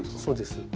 そうです。